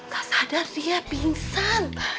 tak sadar ya pingsan